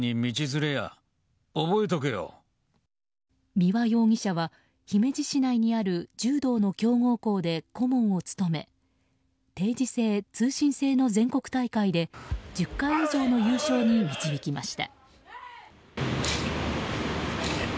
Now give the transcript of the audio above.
三輪容疑者は姫路市内にある柔道の強豪校で顧問を務め定時制通信制の全国大会で１０回以上の優勝に導きました。